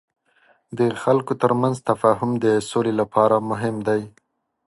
د خلکو ترمنځ تفاهم د سولې لپاره مهم دی.